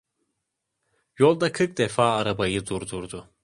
Yolda kırk defa arabayı durdurdu.